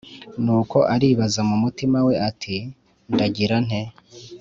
nuko aribaza mu mutima we ati “Ndagira nte”.